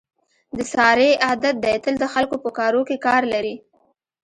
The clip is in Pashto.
د سارې عادت دی تل د خلکو په کاروکې کار لري.